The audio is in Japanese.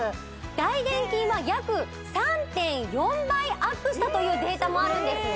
大臀筋は約３．４倍アップしたというデータもあるんですね